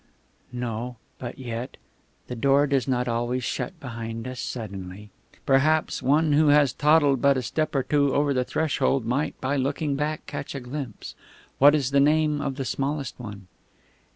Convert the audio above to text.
"No; but yet.... The door does not always shut behind us suddenly. Perhaps one who has toddled but a step or two over the threshold might, by looking back, catch a glimpse.... What is the name of the smallest one?"